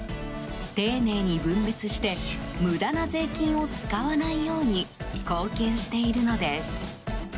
丁寧に分別して無駄な税金を使わないように貢献しているのです。